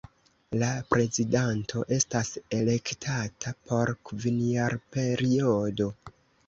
La prezidanto estas elektata por kvinjarperiodo.